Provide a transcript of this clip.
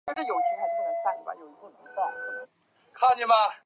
关于过氧化物酶体是否参与类萜和动物胆固醇合成的争论很激烈。